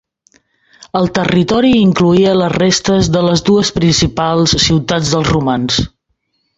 El territori incloïa les restes de les dues principals ciutats dels romans: